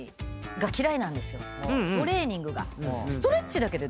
トレーニングが。